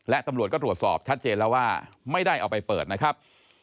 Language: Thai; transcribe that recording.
และตำรวจก็ตรวจสอบชัดเจนแล้วว่าไม่ได้เอาไปเปิดนะครับ